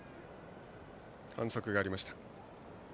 反則がありました。